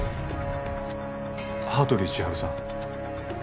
羽鳥千晴さん